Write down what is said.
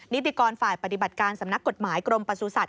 นิติกรฝ่ายปฏิบัติการสำนักกฎหมายกรมประสุทธิ